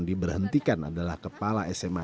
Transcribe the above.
diberhentikan adalah kepala sma